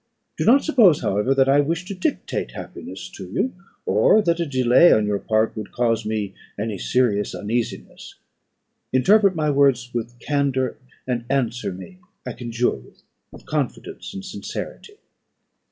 Do not suppose, however, that I wish to dictate happiness to you, or that a delay on your part would cause me any serious uneasiness. Interpret my words with candour, and answer me, I conjure you, with confidence and sincerity."